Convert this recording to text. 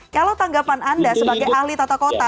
kalau tanggapan anda sebagai ahli tata kota